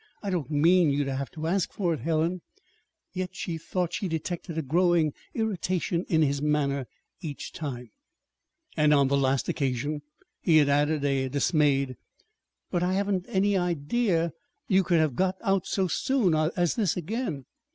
I don't mean you to have to ask for it, Helen"; yet she thought she detected a growing irritation in his manner each time. And on the last occasion he had added a dismayed "But I hadn't any idea you could have got out so soon as this again!"